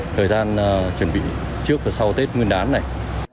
chúng ta đang chuẩn bị trước và sau tết nguyên đán này